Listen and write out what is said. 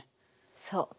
そう。